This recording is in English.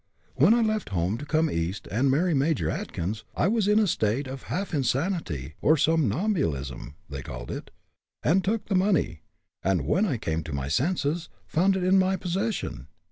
"When I left home, to come East and marry Major Atkins, I was in a state of half insanity, or somnambulism, they called it, and took the money, and when I came to my senses found it in my possession.